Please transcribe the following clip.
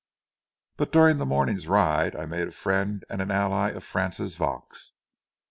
But during that morning's ride I made a friend and ally of Frances Vaux.